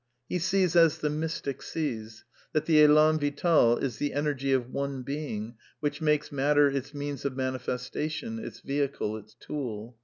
^ He sees as the mystic sees, that the £lan Vital is ^^^'^^^^^ energy of one Being which makes matter its means qjf^''^^ manifestation, its vehicle, its tool.